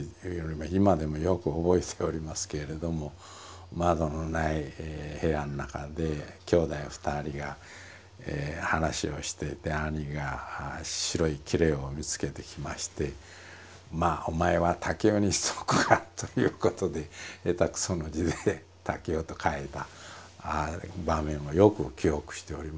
今でもよく覚えておりますけれども窓のない部屋の中で兄弟２人が話をしていて兄が白いきれを見つけてきましてまあお前は「たけお」にしとくかということで下手くその字で「たけお」と書いた場面をよく記憶しておりますね。